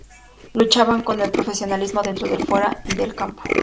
Luchaban con el profesionalismo dentro y fuera del campo.